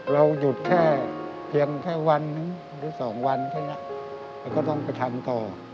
เราหยุดแค่เพียงแค่วันหนึ่งหรือสองวันแค่นี้เราก็ต้องไปทำต่อ